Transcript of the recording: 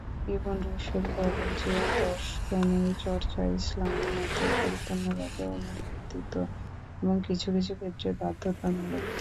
Ibn Rushd বলেন যে, দর্শনের চর্চা ইসলামের মধ্যে পরিপূর্ণভাবে অনুমোদিত এবং কিছু কিছু ক্ষেত্রে বাধ্যতামূলক।